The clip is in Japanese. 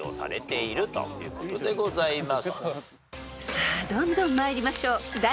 ［さあどんどん参りましょう］